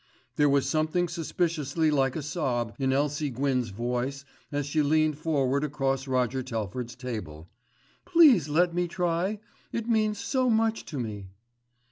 There was something suspiciously like a sob in Elsie Gwyn's voice as she leaned forward across Roger Telford's table. "Please let me try, it means so much to me."